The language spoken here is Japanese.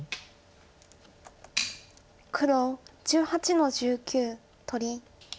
黒１８の十九取り。